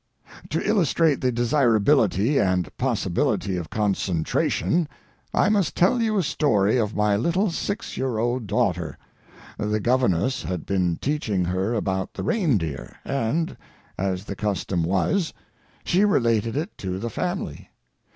To illustrate the desirability and possibility of concentration, I must tell you a story of my little six year old daughter. The governess had been teaching her about the reindeer, and, as the custom was, she related it to the family.